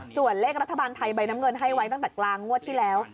ส่วนเลขรัฐบาลไทยใบน้ำเงินให้ไว้ตั้งแต่กลางงวดที่แล้ว